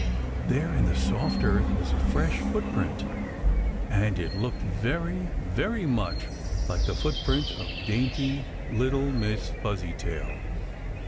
There in the soft earth was a fresh footprint, and it looked very, very much like the footprint of dainty little Miss Fuzzytail!